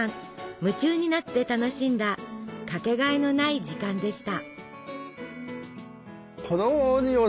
夢中になって楽しんだ掛けがえのない時間でした。